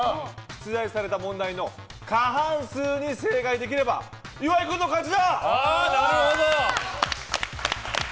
出題された問題の過半数に正解できれば岩井君の勝ちだ！